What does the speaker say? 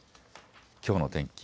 きょうの天気。